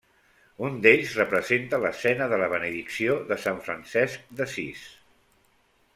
Un d'ells representa l'escena de la benedicció de Sant Francesc d'Assís.